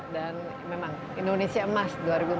dan memang indonesia emas dua ribu empat puluh lima